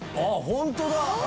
ホントだ！